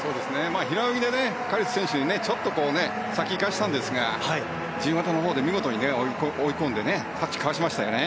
平泳ぎでカリシュ選手にちょっと先に行かしたんですが自由形のほうで見事に追い込んでタッチかわしましたよね。